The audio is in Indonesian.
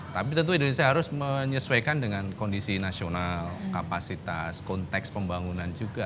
tapi tentu indonesia harus menyesuaikan dengan kondisi nasional kapasitas konteks pembangunan juga